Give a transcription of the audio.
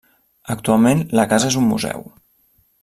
Actualment la casa és un museu.